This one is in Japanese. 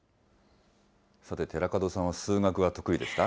さて、寺門さんは数学は得意でした？